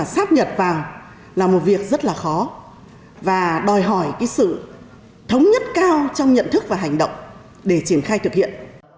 sắp nhật vào là một việc rất là khó và đòi hỏi sự thống nhất cao trong nhận thức và hành động để triển khai thực hiện